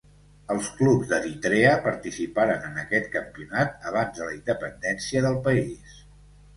Els clubs d'Eritrea participaren en aquest campionat abans de la independència del país.